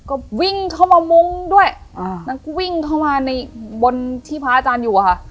ก็วิ่งเข้ามามุ้งด้วยอ่าแล้วก็วิ่งเข้ามาในบนที่พระอาจารย์อยู่อะค่ะ